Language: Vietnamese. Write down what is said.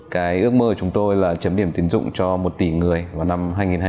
cái ước mơ của chúng tôi là chấm điểm tín dụng cho một tỷ người vào năm hai nghìn hai mươi